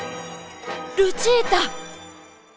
ルチータ！